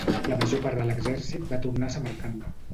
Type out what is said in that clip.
La major part de l'exèrcit va tornar a Samarcanda.